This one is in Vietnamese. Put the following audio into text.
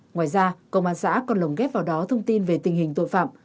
ngoài ra công an xã còn lồng ghép vào đó thông tin về tình hình tội phạm